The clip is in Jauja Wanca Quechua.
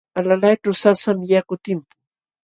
Alalayćhu sasam yaku timpun.